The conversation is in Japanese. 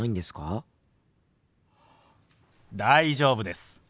大丈夫です。